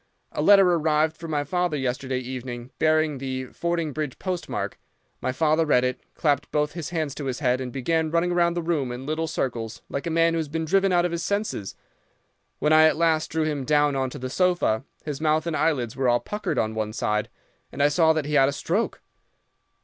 A letter arrived for my father yesterday evening, bearing the Fordingbridge postmark. My father read it, clapped both his hands to his head, and began running round the room in little circles like a man who has been driven out of his senses. When I at last drew him down on to the sofa, his mouth and eyelids were all puckered on one side, and I saw that he had a stroke.